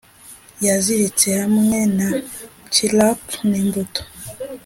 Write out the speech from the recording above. yiziritse hamwe na chirrup n'imbuto,